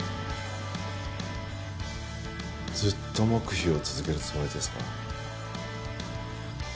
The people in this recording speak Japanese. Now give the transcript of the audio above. ずっと黙秘を続けるつもりですか？